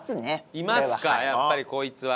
いますかやっぱりこいつは。